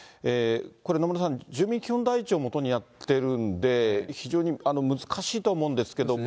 これ、野村さん、住民基本台帳をもとにやってるんで、非常に難しいとは思うんですけれども。